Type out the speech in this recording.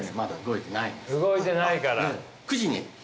動いてないから。